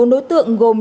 bốn đối tượng gồm